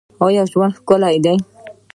آیا ژوند ښکلی دی؟